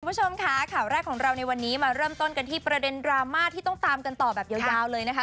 คุณผู้ชมค่ะข่าวแรกของเราในวันนี้มาเริ่มต้นกันที่ประเด็นดราม่าที่ต้องตามกันต่อแบบยาวเลยนะคะ